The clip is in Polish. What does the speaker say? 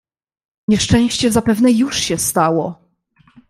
"Nieszczęście zapewne już się stało."